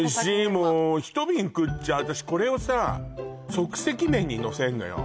もう１瓶食っちゃう私これをさ即席麺にのせるのよ